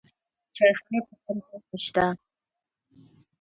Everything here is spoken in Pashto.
چایخانې په هر ځای کې شته.